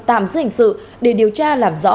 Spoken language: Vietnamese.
tạm giữ hình sự để điều tra làm rõ